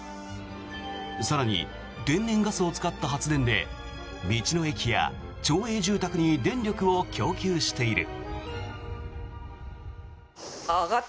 更に、天然ガスを使った発電で道の駅や町営住宅に電力を供給している。